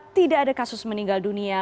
tidak ada kasus meninggal dunia